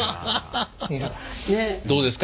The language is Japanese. どうですか？